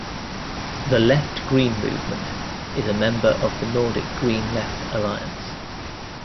The Left-Green Movement is a member of the Nordic Green Left Alliance.